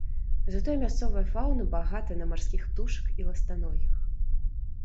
Затое мясцовая фаўна багата на марскіх птушак і ластаногіх.